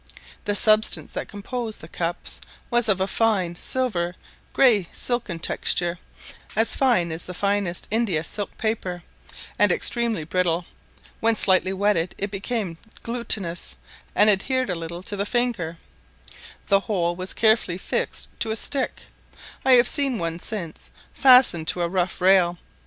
The substance that composed the cups was of a fine silver grey silken texture, as fine as the finest India silk paper, and extremely brittle; when slightly wetted it became glutinous, and adhered a little to the finger; the whole was carefully fixed to a stick: I have seen one since fastened to a rough rail.